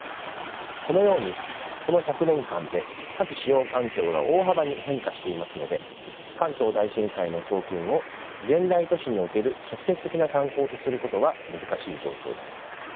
このようにこの１００年間で火気使用環境が大幅に変化していますので関東大震災の教訓を現代都市における直接的な参考とすることは難しい状況です。